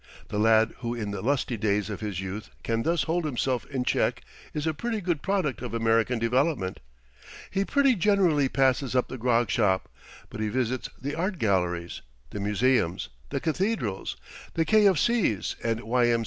The lad who in the lusty days of his youth can thus hold himself in check is a pretty good product of American development. He pretty generally passes up the grog shop, but he visits the art galleries, the museums, the cathedrals, the K. of C.'s, and Y. M.